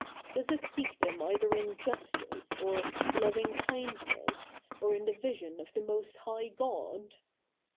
Does it seek them either in justice, or loving kindness, or in the vision of the most high God